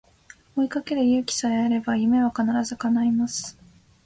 追いかける勇気さえあれば夢は必ず叶います